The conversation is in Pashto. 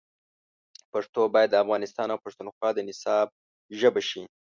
پښتو باید د افغانستان او پښتونخوا د نصاب ژبه شي.